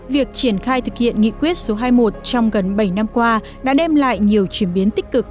việc triển khai thực hiện nghị quyết số hai mươi một trong gần bảy năm qua đã đem lại nhiều chuyển biến tích cực